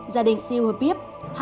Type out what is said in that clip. gia đình siêu hợp biếp